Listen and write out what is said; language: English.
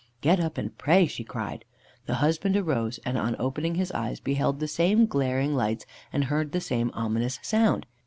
"Get up and pray!" she cried. The husband arose, and, on opening his eyes, beheld the same glaring lights, and heard the same ominous sound.